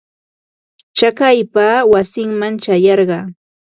Chakaypa wasiiman ćhayarqaa.